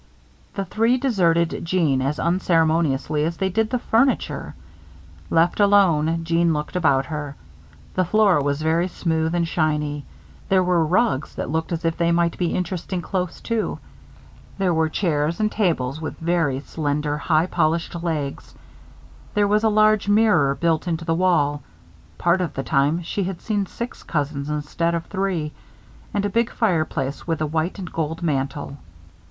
The three deserted Jeanne as unceremoniously as they did the furniture. Left alone, Jeanne looked about her. The floor was very smooth and shiny. There were rugs that looked as if they might be interesting, close to. There were chairs and tables with very slender, highly polished legs. There was a large mirror built into the wall part of the time she had seen six cousins instead of three and a big fireplace with a white and gold mantel.